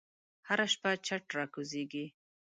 هره شپه چت راکوزیږې